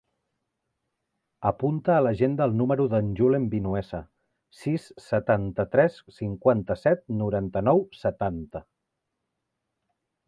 Apunta a l'agenda el número del Julen Vinuesa: sis, setanta-tres, cinquanta-set, noranta-nou, setanta.